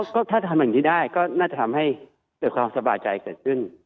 ก็ถ้าทำอย่างนี้ได้ก็น่าจะทำให้เกิดความสบายใจเกิดขึ้น